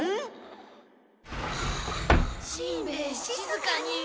しんべヱしずかに！